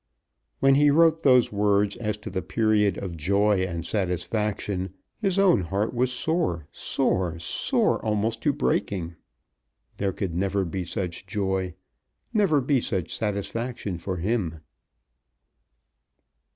When he wrote those words as to the period of joy and satisfaction his own heart was sore, sore, sore almost to breaking. There could never be such joy, never be such satisfaction for him.